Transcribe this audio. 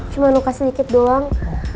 cuma nungkasin dikit doang